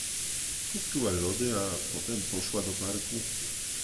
Kupiła lody, a potem poszła do parku.